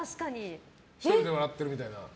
１人で笑ってるみたいな。